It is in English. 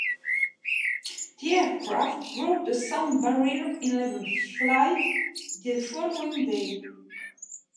The aircraft broke the sound barrier in level flight the following day.